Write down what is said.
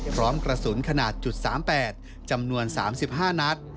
พร้อมกระสุนขนาด๓๘จำนวน๓๕นัด